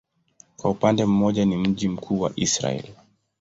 Kwa upande mmoja ni mji mkuu wa Israel.